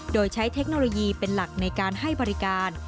โดยใช้เทคโนโลยีเป็นหลักในการให้บริการ